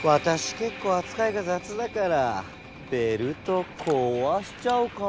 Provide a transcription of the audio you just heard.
けっこうあつかいがざつだからベルトこわしちゃうかも。